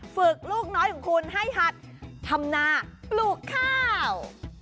ฝึกลูกน้อยของคุณให้หัดทำนาปลูกข้าว